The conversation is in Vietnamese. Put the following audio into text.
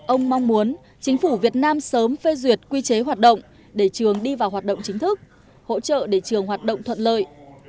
ông mong muốn chính phủ việt nam sớm phê duyệt quy chế hoạt động để trường đi vào hoạt động chính thức hỗ trợ để trường hoạt động thuận lợi